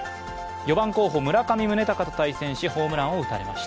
４番候補・村上宗隆とと対戦しホームランを打たれました。